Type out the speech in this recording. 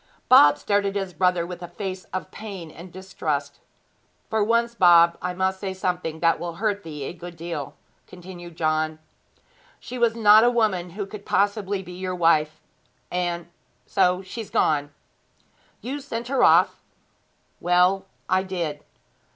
Bob stared at his brother with a face of pain and distrust. 'For once, Bob, I must say something that will hurt thee a good deal,' continued John. 'She was not a woman who could possibly be your wife and so she's gone.' 'You sent her off?' 'Well, I did.'